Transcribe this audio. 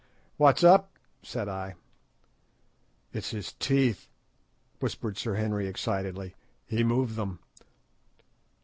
"What's up?" said I. "It's his teeth," whispered Sir Henry excitedly. "He moved them.